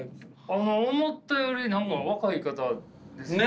思ったより何か若い方ですね。